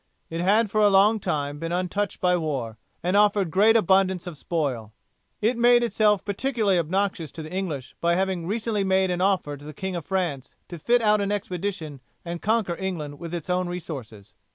It had for a long time been untouched by war, and offered great abundance of spoil. It had made itself particularly obnoxious to the English by having recently made an offer to the King of France to fit out an expedition and conquer England with its own resources.